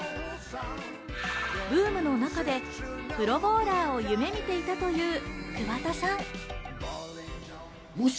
ブームの中でプロボウラーを夢見ていたという桑田さん。